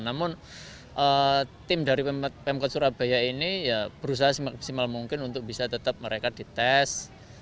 namun tim dari pemkot surabaya ini ya berusaha semaksimal mungkin untuk bisa tetap mereka dites